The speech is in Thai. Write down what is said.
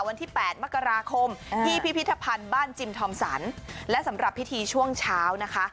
วันที่๘มกราคมที่พิพิธภัณฑ์บ้านจิมทอมสันและสำหรับพิธีช่วงเช้านะคะ